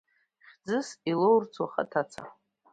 Хьӡыс илоурц уаха аҭаца…